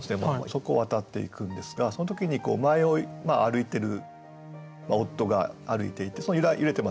そこを渡っていくんですがその時に前を歩いている夫が歩いていて揺れてますよね。